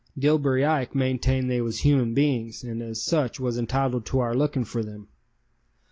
Dillbery Ike maintained they was human beings and as such was entitled to our looking for them.